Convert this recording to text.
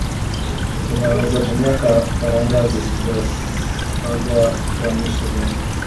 unaweza tumia karanga zilizosangwa gram ishirini